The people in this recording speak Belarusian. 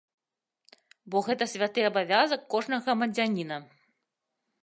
Бо гэта святы абавязак кожнага грамадзяніна.